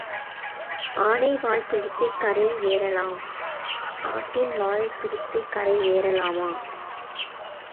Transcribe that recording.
ஆனை வால் பிடித்துக் கரை ஏறலாம் ஆட்டின் வால் பிடித்துக் கரை ஏறலாமா?